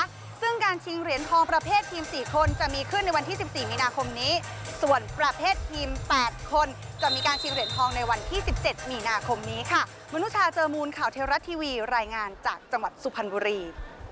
ซึ่งการชิงเหรียญทองประเพศทีม๕คนจะมีขึ้นในวันที่๑๔มีนาคมนี้